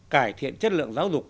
cải thiện chất lượng giáo dục